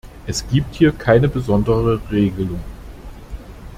Es gibt hier keine besondere Regelung.